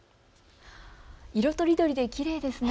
色とりどりできれいですね。